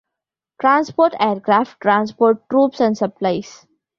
Transport aircraft transport troops and supplies.